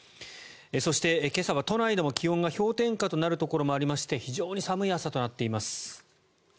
そして今朝は都内でも気温が氷点下となるところもありまして非常に寒い朝となっています。